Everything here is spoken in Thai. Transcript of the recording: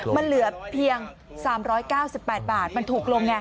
มันเหลือเพียง๓๙๘บาทมันถูกลงไง